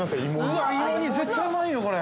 ◆うわ、芋煮、絶対うまいよ、これ。